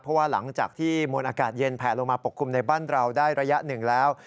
เพราะว่าหลังจากที่มวลอากาศเย็นแผลลงมาปกคลุมในบ้านเราได้ระยะหนึ่งแล้ว